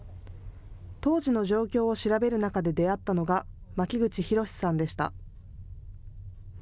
当時の状況を調べる中で出会ったのが巻口弘さんでした。